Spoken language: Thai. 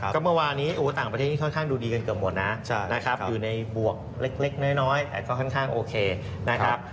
ก็เมื่อวานี้ต่างประเทศค่อนข้างดูดีกันเกือบหมดนะนะครับอยู่ในบวกเล็กน้อยแต่ก็ค่อนข้างโอเคนะครับ